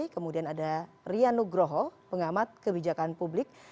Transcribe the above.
kemudian ada rian nugroho pengamat kebijakan publik